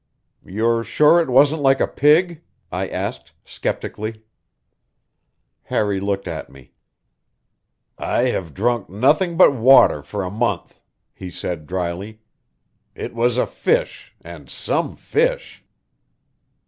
"You're sure it wasn't like a pig?" I asked skeptically. Harry looked at me. "I have drunk nothing but water for a month," he said dryly. "It was a fish, and some fish."